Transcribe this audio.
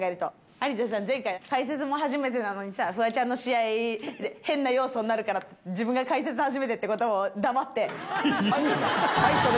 有田さん、前回、解説も初めてなのにさ、フワちゃんの試合、変な要素になるからって、自分が解説初めてっていうことも黙って。